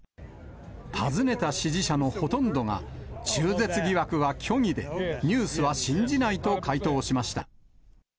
尋ねた支持者のほとんどが、中絶疑惑は虚偽で、ニュースは信じないと回答しました。